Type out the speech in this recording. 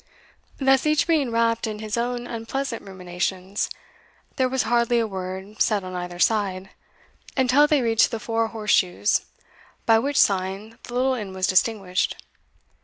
Thus each being wrapped in his own unpleasant ruminations, there was hardly a word said on either side, until they reached the Four Horse shoes, by which sign the little inn was distinguished.